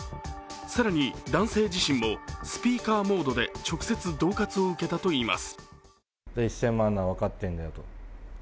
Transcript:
更に、男性自身もスピーカーモードで直接、どう喝を受けたといいます。